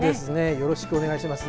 よろしくお願いします。